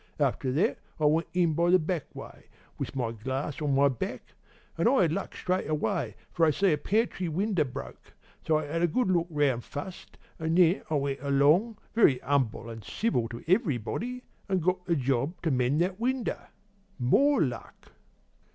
After that I went in by the back way, with my glass on my back; an' I had luck straight away, for I see a pantry winder broke. So I 'ad good look round fust, an' then I went along, very 'umble an' civil to everybody, an' got the job to mend that winder. More luck.'